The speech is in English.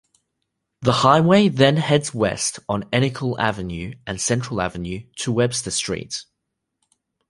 The highway then heads west on Encinal Avenue and Central Avenue to Webster Street.